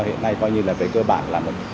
hiện nay coi như là về cơ bản là